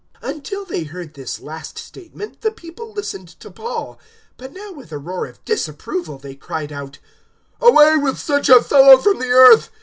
'" 022:022 Until they heard this last statement the people listened to Paul, but now with a roar of disapproval they cried out, "Away with such a fellow from the earth!